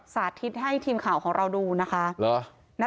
สาธิตให้ทีมข่าวของเราดูนะคะ